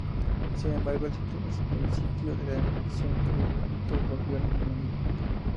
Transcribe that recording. Sin embargo, el sitio de la erupción pronto volvió a la normalidad.